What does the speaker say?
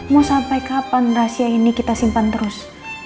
mau sampai kapan rahasia ini kita simpan terus